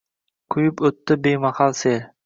Quyib o’tdi bemahal sel